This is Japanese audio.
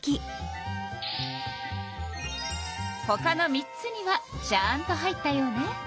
ほかの３つにはちゃんと入ったようね。